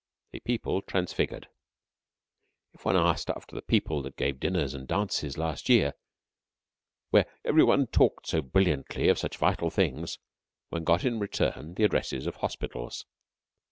A PEOPLE TRANSFIGURED If one asked after the people that gave dinners and dances last year, where every one talked so brilliantly of such vital things, one got in return the addresses of hospitals.